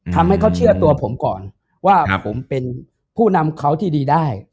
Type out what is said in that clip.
ทำให้เขาเชื่อตัวผมก่อนว่าผมเป็นผู้นำเขาที่ดีได้